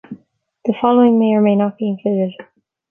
The following may or may not be included.